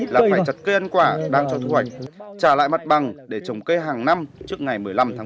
là phải chặt cây ăn quả đang cho thu hoạch trả lại mặt bằng để trồng cây hàng năm trước ngày một mươi năm tháng năm